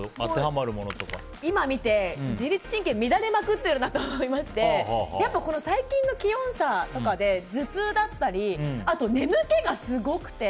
今見て、自律神経乱れまくってるなと思いましてこの最近の気温差とかで頭痛だったりあと、眠気がすごくて。